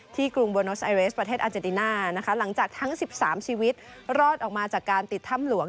กรุงโบโนสไอเรสประเทศอาเจติน่านะคะหลังจากทั้ง๑๓ชีวิตรอดออกมาจากการติดถ้ำหลวง